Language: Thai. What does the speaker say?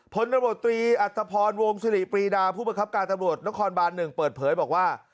พลตำรวจตรีอัตภพรวงศิริปรีดาผู้ประคับการตำรวจนครบาน๑เปิดเผยบอกว่า